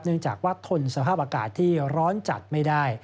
จากว่าทนสภาพอากาศที่ร้อนจัดไม่ได้